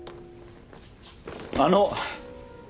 あの！